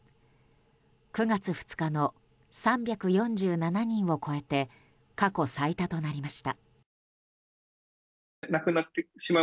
９月２日の３４７人を超えて過去最多となりました。